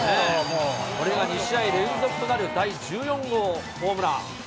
これが２試合連続となる第１４号ホームラン。